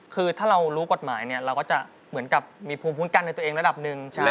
คือถ้าเรารู้กฎหมายเนี่ยเราก็จะเหมือนกับมีภูมิคุ้มกันในตัวเองระดับหนึ่ง